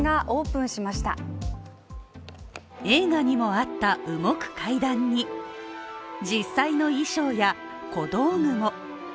映画にもあった動く階段に実際の衣装や小道具も。